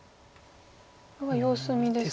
これは様子見ですか？